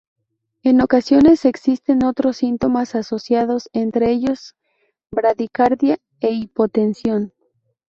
En ocasiones existen otros síntomas asociados, entre ellos bradicardia e hipotensión.